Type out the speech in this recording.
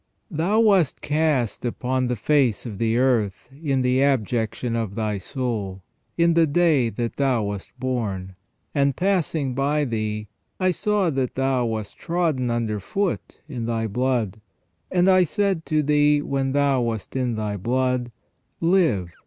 Thou wast cast upon the face of the earth in the abjection of thy soul, in the day that thou wast born. And passing by thee, I saw that thou wast trodden under foot in thy blood ; and I said to thee when thou wast in thy blood : Live.